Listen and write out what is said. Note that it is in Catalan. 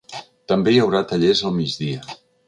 També hi haurà tallers al migdia.